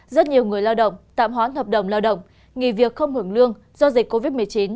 rất nhiều người lao động tạm hoãn hợp đồng lao động nghỉ việc không hưởng lương do dịch covid một mươi chín